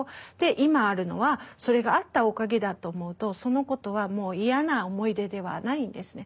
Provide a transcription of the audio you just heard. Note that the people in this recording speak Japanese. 今あるのはそれがあったおかげだと思うとそのことはもう嫌な思い出ではないんですね。